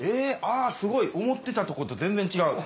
すごい！思ってたとこと全然違う。